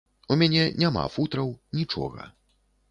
У мяне няма футраў, нічога.